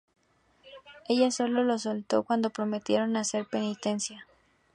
Ella solo los soltó cuando prometieron hacer penitencia.